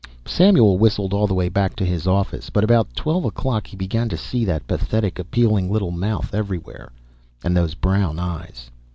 Samuel whistled all the way back to his office, but about twelve o'clock he began to see that pathetic, appealing little mouth everywhere and those brown eyes.